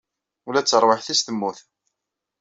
Ula d tarwiḥt-is temmut.